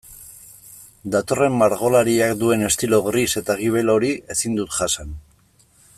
Datorren margolariak duen estilo gris eta gibel hori ezin dut jasan.